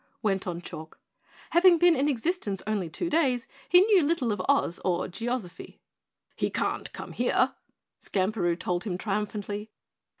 went on Chalk. Having been in existence only two days, he knew little of Oz or geozophy. "He can't come here," Skamperoo told him triumphantly.